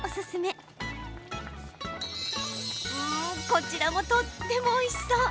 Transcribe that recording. うーん、こちらもとってもおいしそう。